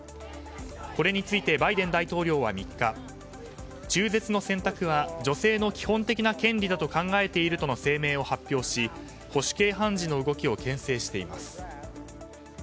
これについてバイデン大統領は３日中絶の選択は女性の基本的な権利だと考えているとの声明を発表し保守系判事の動きを牽制しています。